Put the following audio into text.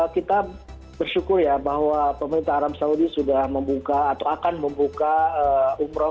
kita bersyukur ya bahwa pemerintah arab saudi sudah membuka atau akan membuka umroh